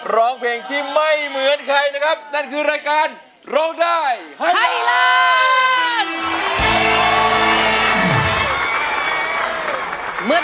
ร้องเพลงที่ไม่เหมือนใครนะครับนั่นคือรายการร้องได้ให้ล้าน